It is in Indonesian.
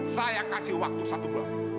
saya kasih waktu satu bulan